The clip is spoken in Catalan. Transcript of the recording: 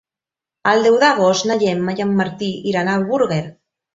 El deu d'agost na Gemma i en Martí iran a Búger.